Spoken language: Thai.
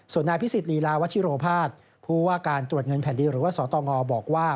ส่วนนายพิสิทธลีลาวัชิโรภาสผู้ว่าการตรวจเงินแผ่นดินหรือว่าสตงบอกว่า